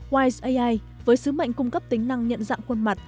wise ai với sứ mệnh cung cấp tính năng nhận dạng khuôn mặt